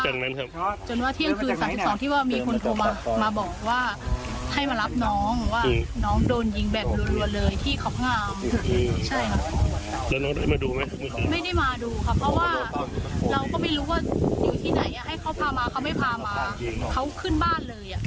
ฝว่าที่มารับน้องว่าน้องโดนยิงแบบรวยละลอยที่ของงามตัวเอาไปดูไม่มาดูแล้วน้องที่ให้เขาพามาเขาไม่พามาเขาขึ้นบ้านเลย